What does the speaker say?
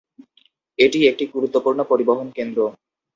এটি একটি গুরুত্বপূর্ণ পরিবহন কেন্দ্র।